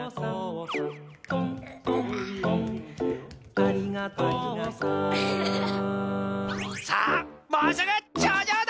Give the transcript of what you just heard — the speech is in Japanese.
「とんとんとんありがとうさん」さあもうすぐちょうじょうだ！